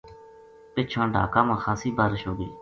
پِچھاں ڈھاکا ما خاصی بارش ہو گئی